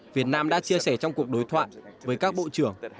việt nam đã chia sẻ trong cuộc đối thoại với các bộ trưởng